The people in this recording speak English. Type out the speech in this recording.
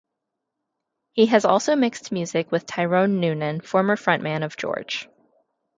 He has also mixed music with Tyronne Noonan, former frontman of George.